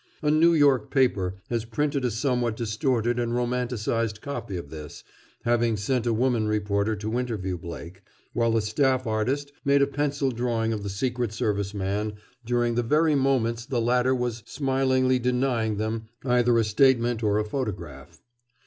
A New York paper has printed a somewhat distorted and romanticized copy of this, having sent a woman reporter to interview Blake—while a staff artist made a pencil drawing of the Secret Service man during the very moments the latter was smilingly denying them either a statement or a photograph.